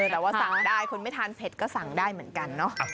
แต่ว่าสั่งได้คนไม่ทานเผ็ดก็สั่งได้เหมือนกันเนาะ